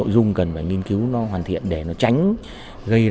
giảm lỗ gần ba mươi tỷ đồng